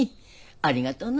ありがとな。